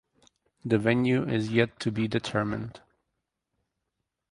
The venue is yet to be determined.